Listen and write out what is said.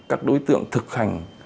các đối tượng thực hành